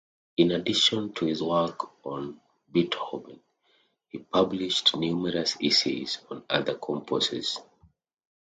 In addition to his work on Beethoven, he published numerous essays on other composers.